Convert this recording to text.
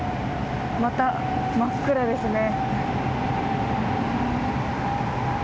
また真っ暗ですね。